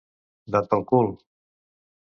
Dat pel cul.